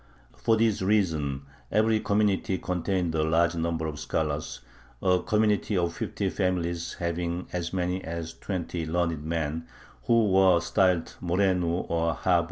For this reason every community contained a large number of scholars, a community of fifty families having as many as twenty learned men, who were styled morenu or haber.